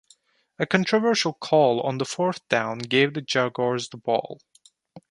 A controversial call on fourth down gave the Jaguars the ball.